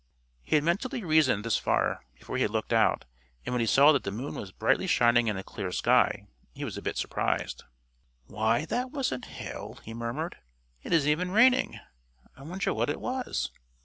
He had mentally reasoned this far before he had looked out, and when he saw that the moon was brightly shining in a clear sky, he was a bit surprised. "Why that wasn't hail," he murmured. "It isn't even raining. I wonder what it was?"